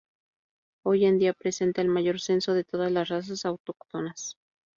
Hoy en día presenta el mayor censo de todas las razas autóctonas.